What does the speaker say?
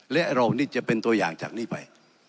และเรานี่จะเป็นตัวอย่างจากนี้ไป